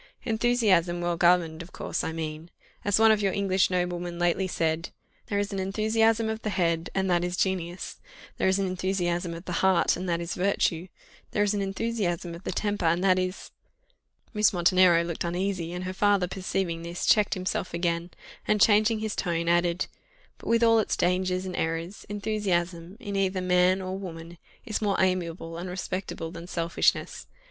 "Enthusiasm well governed, of course, I mean as one of your English noblemen lately said, 'There is an enthusiasm of the head, and that is genius there is an enthusiasm of the heart, and that is virtue there is an enthusiasm of the temper, and that is '" Miss Montenero looked uneasy, and her father perceiving this, checked himself again, and, changing his tone, added, "But with all its dangers and errors, enthusiasm, in either man or woman, is more amiable and respectable than selfishness.